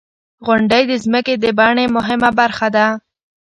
• غونډۍ د ځمکې د بڼې مهمه برخه ده.